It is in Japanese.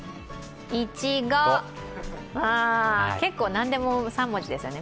いちご、結構何でも３文字ですよね。